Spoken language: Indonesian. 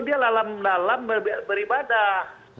dia dalam dalam beribadah